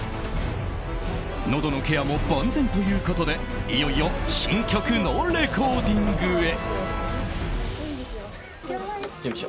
のどのケアも万全ということでいよいよ新曲のレコーディングへ。